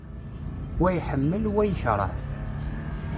Wa iḥemmel, wa yekreh.